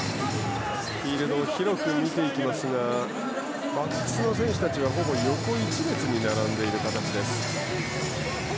フィールドを広く見ていきますがバックスの選手たちは横１列に並んでいる形です。